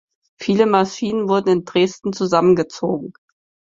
Viele Maschinen wurden in Dresden zusammengezogen.